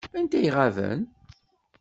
Anta i iɣaben?